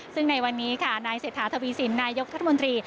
ซึ่งในวันนี้ค่ะนายเศรษฐาทวีสินนายกรัฐมนตรี